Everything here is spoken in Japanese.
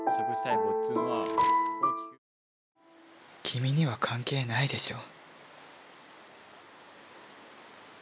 君には関係ないでしょ。